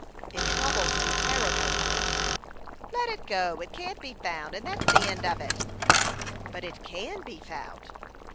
"It troubles me terribly." " Let it go ; it can't be found, and that's the end of it." " But it can be found."